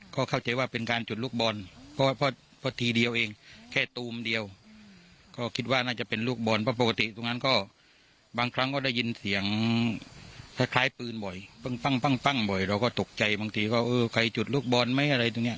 ก็เข้าใจว่าเป็นการจุดลูกบอลเพราะทีเดียวเองแค่ตูมเดียวก็คิดว่าน่าจะเป็นลูกบอลเพราะปกติตรงนั้นก็บางครั้งก็ได้ยินเสียงคล้ายปืนบ่อยปั้งบ่อยเราก็ตกใจบางทีก็เออใครจุดลูกบอลไหมอะไรตรงเนี้ย